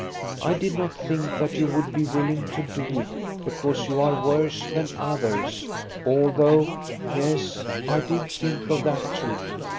I did not think that you would be willing to do it because you are worse than others ; although, yes, I did think of that too.